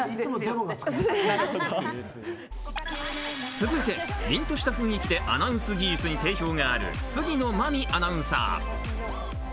続いて、凛とした雰囲気でアナウンス技術に定評がある杉野真実アナウンサー。